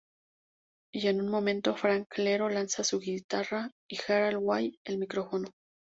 Y en un momento, Frank Iero lanza su guitarra y Gerard Way, el micrófono.